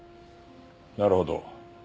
なるほど。